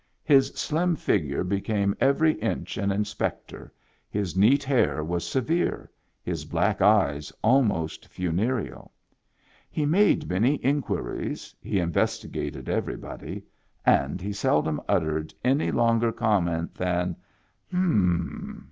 His slim figure became every inch an inspector, his neat hair was severe, his black eyes almost funereal. He made many inquiries, he investi gated everybody, and he seldom uttered any longer comment than " H'm, h'm